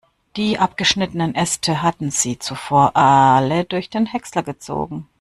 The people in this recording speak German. Die abgeschnittenen Äste hatten sie zuvor alle durch den Häcksler gezogen.